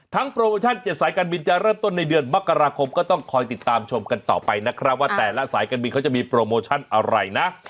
โปรโมชั่น๗สายการบินจะเริ่มต้นในเดือนมกราคมก็ต้องคอยติดตามชมกันต่อไปนะครับว่าแต่ละสายการบินเขาจะมีโปรโมชั่นอะไรนะ